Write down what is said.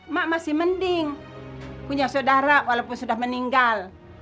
mak masih mending punya saudara walaupun sudah meninggal